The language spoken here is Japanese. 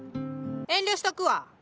遠慮しとくわ。